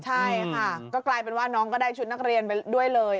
ใช่ค่ะก็กลายเป็นว่าน้องก็ได้ชุดนักเรียนไปด้วยเลย